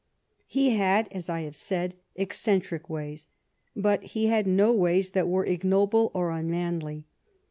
He had, as I have said, eccentric ways, but he had no ways that were ignoble or unmanly.